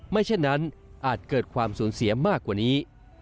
เช่นนั้นอาจเกิดความสูญเสียมากกว่านี้